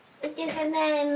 ただいま。